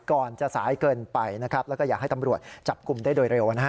ก่อนจะสายเกินไปนะครับแล้วก็อยากให้ตำรวจจับกลุ่มได้โดยเร็วนะฮะ